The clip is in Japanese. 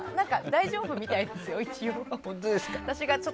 大丈夫みたいですよ、一応。